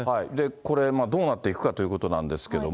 これ、どうなっていくかということなんですけども。